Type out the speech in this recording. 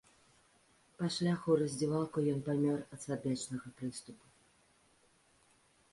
Па шляху ў раздзявалку ён памёр ад сардэчнага прыступу.